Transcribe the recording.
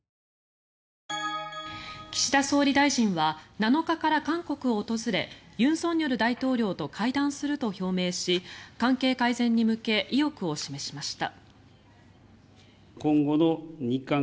岸田総理大臣は７日から韓国を訪れ尹錫悦大統領と会談すると表明し関係改善に向け意欲を示しました。